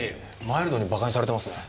マイルドにバカにされてますね。